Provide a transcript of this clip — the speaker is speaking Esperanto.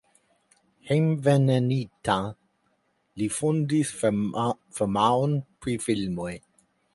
Hejmenveninta li fondis firmaon pri filmoj.